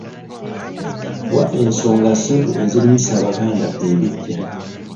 Wa ensonga ssatu ezirimisa Abaganda ebiggya.